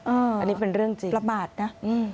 อันนี้เป็นเรื่องจริงประมาทนะ